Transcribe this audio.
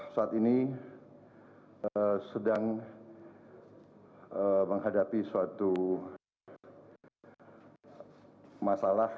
saat ini sedang menghadapi suatu masalah